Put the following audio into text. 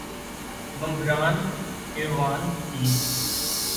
ممبران ایوان کی